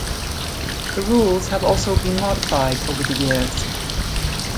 The rules have also been modified over the years.